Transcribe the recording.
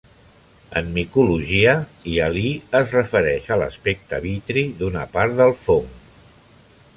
En micologia, hialí es refereix a l'aspecte vitri d'una part del fong.